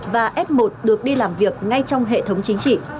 và f một được đi làm việc ngay trong hệ thống chính trị